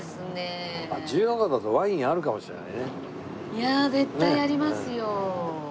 いやあ絶対ありますよ。